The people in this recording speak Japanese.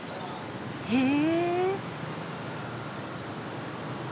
へえ。